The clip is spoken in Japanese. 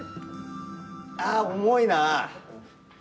あ重いな。